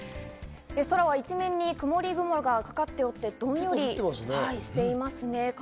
空は一面に曇り雲がかかっていて、どんよりしていますね。